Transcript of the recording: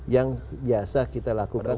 yang biasa kita lakukan